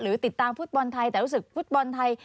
ติดตามฟุตบอลไทยแต่รู้สึกฟุตบอลไทย